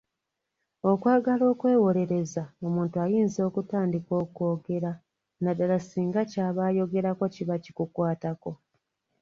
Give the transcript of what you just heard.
Okwagala okwewolereza omuntu ayinza okutandika okwogera naddala singa ky’aba ayogerako kiba kikukwatako.